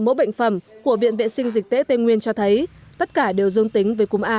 mẫu bệnh phẩm của viện vệ sinh dịch tế tây nguyên cho thấy tất cả đều dương tính với cúm ah một n một